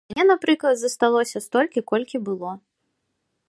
У мяне, напрыклад, засталося столькі, колькі было.